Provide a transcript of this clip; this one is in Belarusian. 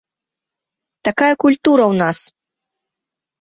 Такая культура ў нас.